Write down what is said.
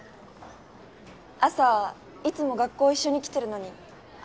朝いつも学校一緒に来てるのに会えなくて。